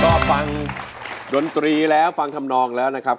ก็ฟังดนตรีแล้วฟังทำนองแล้วนะครับ